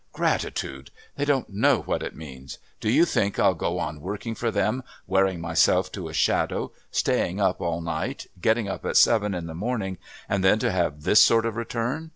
"Gratitude! They don't know what it means. Do you think I'll go on working for them, wearing myself to a shadow, staying up all night getting up at seven in the morning, and then to have this sort of return?